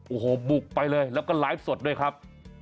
โอ้โหบุกไปเลยแล้วก็ไลฟ์สดด้วยครับ